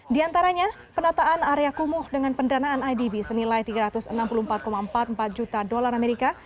di antaranya penataan area kumuh dengan pendanaan idb senilai tiga ratus enam puluh empat empat puluh empat juta dolar amerika